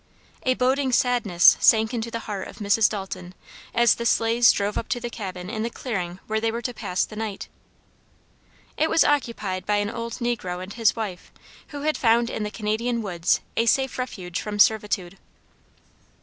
A boding sadness sank into the heart of Mrs. Dalton as the sleighs drove up to the cabin in the clearing where they were to pass the night. It was occupied by an old negro and his wife, who had found in the Canadian woods a safe refuge from servitude.